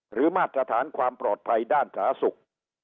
หรือมาตรสถานความปลอดภัยด้านฐาศุกร์